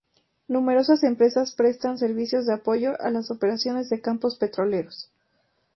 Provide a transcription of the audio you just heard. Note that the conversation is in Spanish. Numerosas empresas prestan servicios de apoyo a las operaciones de campos petroleros.